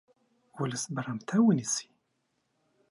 ولس برمته ونیسي.